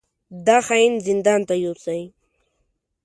دا خاين زندان ته يوسئ!